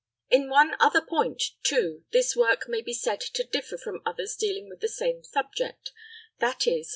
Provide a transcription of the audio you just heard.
In one other point, too, this work may be said to differ from others dealing with the same subject viz.